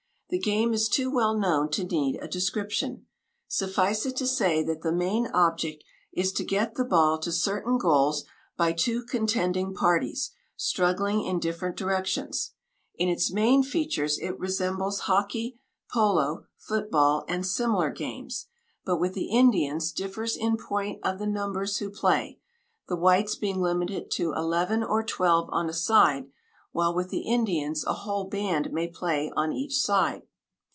The game is too well known to need a description. Suffice it to say that the main object is to get the ball to certain goals by two contending parties struggling in different directions. In its main features it resembles hockey, polo, football, and similar games; but with the Indians differs in point of the numbers who play, the whites being limited to eleven or twelve on a side, while with the Indians a whole band may play on each side.